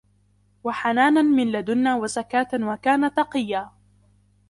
وَحَنَانًا مِنْ لَدُنَّا وَزَكَاةً وَكَانَ تَقِيًّا